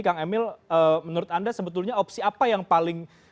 kang emil menurut anda sebetulnya opsi apa yang paling